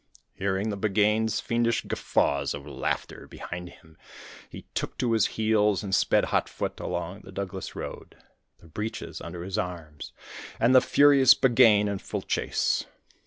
Hearing the Buggane's fiendish guffaws of laughter behind him, he took to his heels and sped hot foot along the Douglas road, the breeches under his arms and the furious Buggane in full chase.